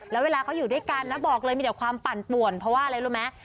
แล้วเวลาเขาอยู่ด้วยกันนะบอกเลยมีแต่ความปั่นป่วนเพราะว่าอะไรรู้ไหม